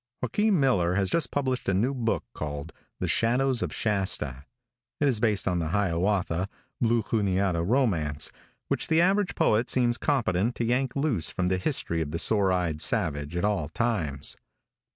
|JOAQUIN MILLER has just published a new book called "The Shadows of Shasta." It is based on the Hiawatha, Blue Juniata romance, which the average poet seems competent to yank loose from the history of the sore eyed savage at all times.